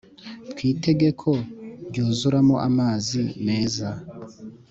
Twitege ko ryuzuramo amazi meza